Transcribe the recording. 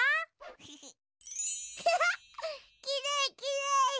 きれいきれい。